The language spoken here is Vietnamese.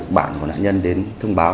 cơ quan công an đưa ra thông báo